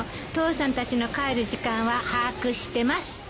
父さんたちの帰る時間は把握してます。